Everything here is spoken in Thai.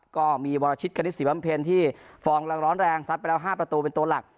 ก็มีวรชิตกณิตศรีบำเพ็ญที่ฟองลังร้อนแรงซัดไปแล้ว๕ประตูเป็นตัวหลัก